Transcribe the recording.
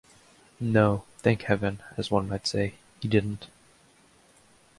No, thank Heaven, as one might say, he didn't.